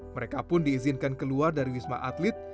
mereka pun diizinkan keluar dari wisma atlet